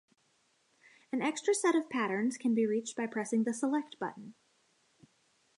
An extra set of patterns can be reached by pressing the "Select" button.